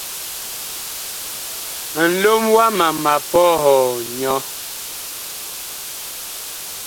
Nlom wama ma pɔhɔɔ nyɔ.